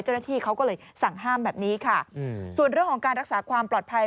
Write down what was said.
เจ้าหน้าที่เขาก็เลยสั่งห้ามแบบนี้ค่ะส่วนเรื่องของการรักษาความปลอดภัย